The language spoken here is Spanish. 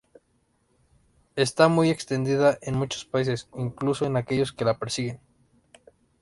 Está muy extendida en muchos países, incluso en aquellos que la persiguen.